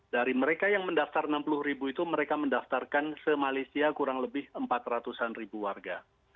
dari mereka yang mendaftar enam puluh ribu itu mereka mendaftarkan se malaysia kurang lebih empat ratus an ribu warga